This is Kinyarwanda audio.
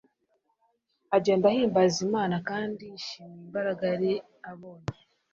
agenda ahimbaza Imana kandi yishimiye imbaraga yari abonye,